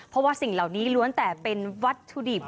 เพราะว่าสิ่งเหล่านี้ล้วนแต่เป็นวัตถุดิบ